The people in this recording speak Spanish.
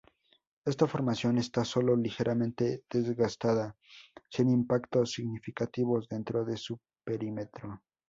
Esta formación está solo ligeramente desgastada, sin impactos significativos dentro de su perímetro.